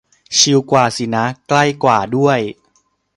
ชิวกว่าสินะ ใกล้กว่าด้วย